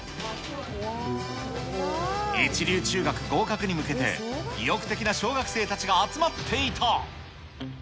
一流中学合格に向けて、意欲的な小学生たちが集まっていた。